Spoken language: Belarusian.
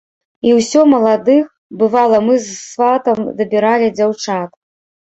І ўсё маладых, бывала, мы з сватам дабіралі дзяўчат.